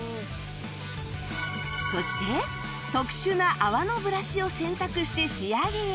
そして特殊な泡のブラシを選択して仕上げへ